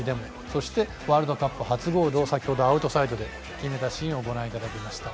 そしてワールドカップ初ゴールを先ほどアウトサイドで決めたシーンをご覧いただきました。